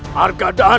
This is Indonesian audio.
apakah kau tertarik